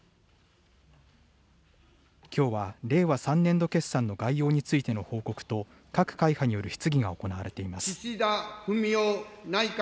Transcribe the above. きょうは令和３年度決算の概要についての報告と、各会派による質疑が行われています。